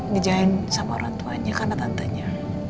dijahit sama orang tuanya karena tantenya